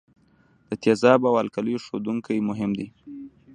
د تیزابو او القلیو ښودونکي مهم دي.